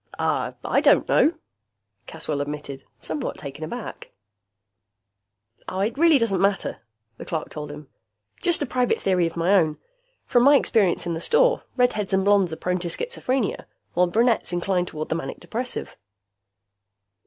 "I don't know," Caswell admitted, somewhat taken aback. "It really doesn't matter," the clerk told him. "Just a private theory of my own. From my experience in the store, redheads and blonds are prone to schizophrenia, while brunettes incline toward the manic depressive."